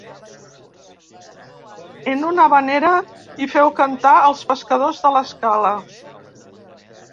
En una havanera, hi feu cantar Els Pescadors de l'Escala.